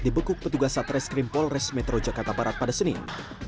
dibekuk petugas satreskrim polres metro jakarta barat pada senin